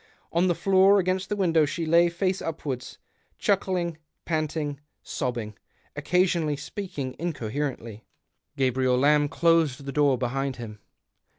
On the Hoor against the window she lay, face upwards — chuckling, panting, sobbing — occasionally speaking incoherently. Gabriel Lamb closed the door behind him.